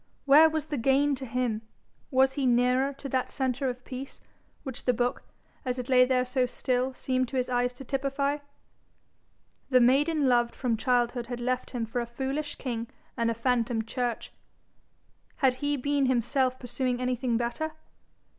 Where was the gain to him? Was he nearer to that centre of peace, which the book, as it lay there so still, seemed to his eyes to typify? The maiden loved from childhood had left him for a foolish king and a phantom church: had he been himself pursuing anything better?